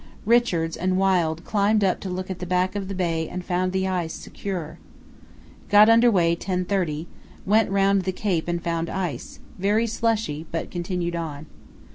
Richards and Wild climbed up to look at the back of the bay and found the ice secure. Got under way 10.30, went round the Cape and found ice; very slushy, but continued on.